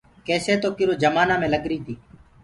ڪيسي تو ڪِرو جمآنآ مين لَگريٚ تيٚ۔